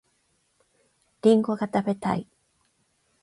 りんごが食べたい